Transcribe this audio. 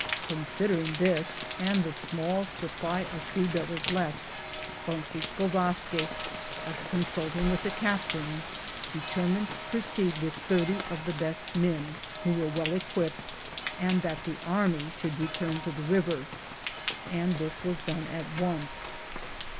Considering this, and the small supply of food that was left, Francisco Vazquez, after consulting with the captains, determined to proceed with 30 of the best men who were well equipped, aud that the army should return to the river; and this was done at once.